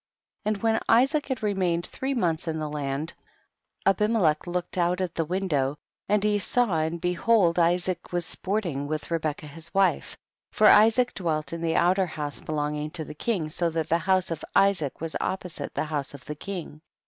7. And when Isaac had remained three months in the land, Abimelech looked out at the window, and he THE BOOK OF JASHER. 79 saw, and behold Isaac was sporting with Rebecca his wife, for Isaac dweh in the outer house belonging to the king, so that the house of Isaac was opposite the house of the king.